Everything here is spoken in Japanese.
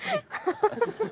ハハハハ！